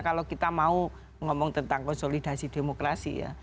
kalau kita mau ngomong tentang konsolidasi demokrasi ya